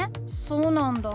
そうなんだ。